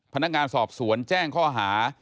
พนักงานสอบสวนแจ้งข้อหา